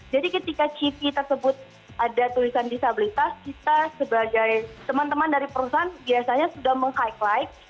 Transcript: jadi ketika cv tersebut ada tulisan disabilitas kita sebagai teman teman dari perusahaan biasanya sudah meng hike like